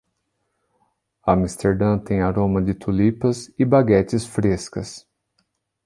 Amsterdã tem aroma de tulipas e baguetes frescas